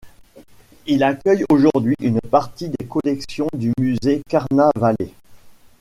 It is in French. Il accueille aujourd'hui une partie des collections du musée Carnavalet.